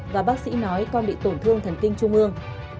và bác sĩ nói con bị tổn thương thần kinh trung ương